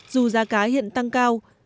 dù giá cá hiện tăng cao